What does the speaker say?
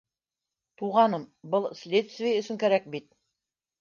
Туғаным, был следствие өсөн кәрәк бит